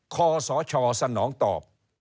คอสอชอสนองตอบ